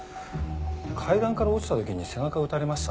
階段から落ちた時に背中打たれました？